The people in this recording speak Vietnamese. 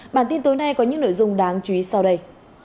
bản tin tối nay có những nội dung đáng chú ý sau đây